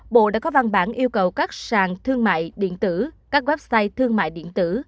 bộ đã có văn bản yêu cầu các sàn thương mại điện tử các website thương mại điện tử